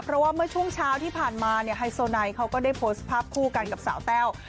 เพราะว่าเมื่อช่วงเช้าที่ผ่านมาเนี่ยไฮโซไนเขาก็ได้โพสต์ภาพคู่กันกับสาวแต้ว